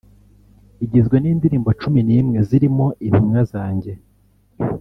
igizwe n’indirimbo cumi n’imwe zirimo “Intumwa Zanjye